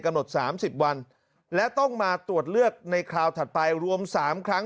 หด๓๐วันและต้องมาตรวจเลือกในคราวถัดไปรวม๓ครั้ง